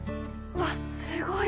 うわっすごい！